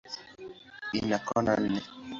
Ina kona nne.